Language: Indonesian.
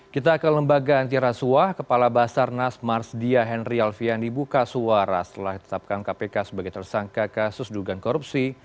kita ke lembaga antirasuah kepala basarnas marsdia henry alfian dibuka suara setelah ditetapkan kpk sebagai tersangka kasus dugaan korupsi